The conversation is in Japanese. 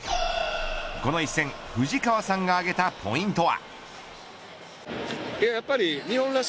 この一戦、藤川さんが挙げたポイントは。